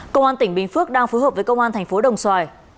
công an tỉnh bình phước đang phối hợp với công an thành phố đồng xoài